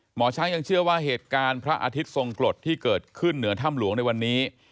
หมอช้างยังเชื่อว่าเหตุการณ์พระอาทิตย์ทรงกฎที่เกิดขึ้นเหนือถ้ำหลวงในวันนี้